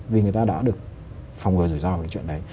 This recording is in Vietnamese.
vì người ta đã được phòng ngừa rủi ro về cái chuyện đấy